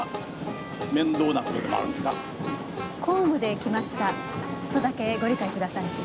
公務で来ましたとだけご理解ください。